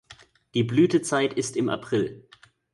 Die Blütezeit ist im April.